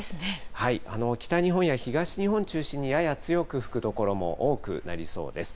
北日本や東日本を中心に、やや強く吹く所も多くなりそうです。